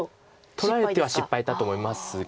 取られては失敗だと思いますが。